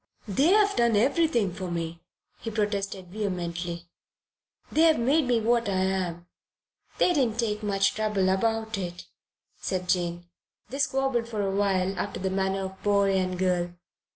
"They've done everything for me," he protested vehemently. "They've made me what I am." "They didn't take much trouble about it," said Jane. They squabbled for a while after the manner of boy and girl.